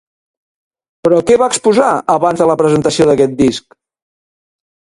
Però què va exposar abans de la presentació d'aquest disc?